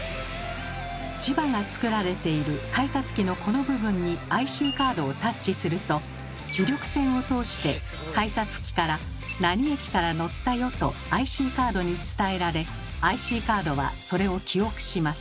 磁場が作られている改札機のこの部分にＩＣカードをタッチすると磁力線を通して改札機から「何駅から乗ったよ」とＩＣカードに伝えられＩＣカードはそれを記憶します。